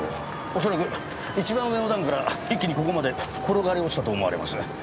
恐らく一番上の段から一気にここまで転がり落ちたと思われます。